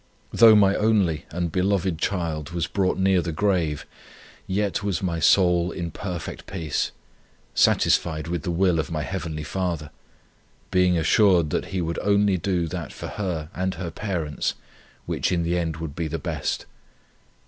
Though my only and beloved child was brought near the grave, yet was my soul in perfect peace, satisfied with the will of my Heavenly Father, being assured that He would only do that for her and her parents, which in the end would be the best.